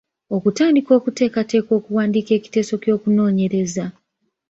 Okutandika okuteekateeka okuwandiika ekiteeso ky’okunoonyereza.